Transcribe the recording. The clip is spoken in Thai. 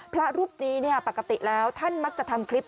พระรูปนี้ปกติแล้วท่านมักจะทำคลิป